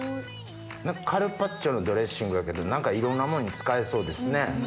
カルパッチョのドレッシングやけどいろんなものに使えそうですね。